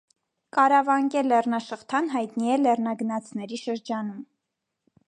Կարավանկե լեռնաշղթան հայտնի է լեռնագնացների շրջանում։